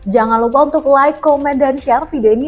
jangan lupa untuk like komen dan share video ini